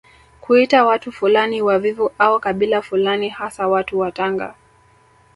Kuita watu fulani wavivu au kabila fulani hasa watu wa Tanga